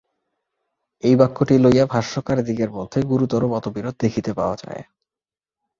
এই বাক্যটি লইয়া ভাষ্যকারদিগের মধ্যে গুরুতর মতবিরোধ দেখিতে পাওয়া যায়।